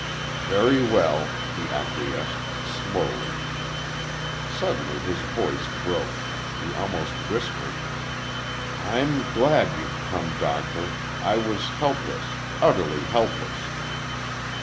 "Very well," he acquiesced, slowly. Suddenly his voice broke. He almost whispered: "I'm glad you've come, doctor.... I was helpless utterly helpless."